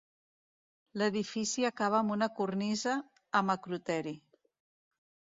L'edifici acaba amb una cornisa amb acroteri.